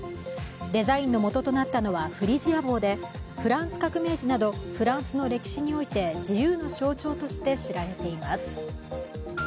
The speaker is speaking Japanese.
デザインのもととなったのはフリジア帽でフランス革命時などフランスの歴史において自由の象徴として知られています。